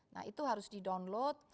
nah itu harus di download